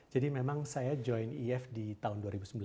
jadi memang saya join iif di tahun dua ribu sembilan belas